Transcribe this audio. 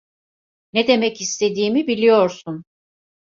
Ne demek istediğimi biliyorsun.